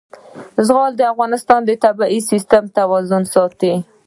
زغال د افغانستان د طبعي سیسټم توازن ساتي.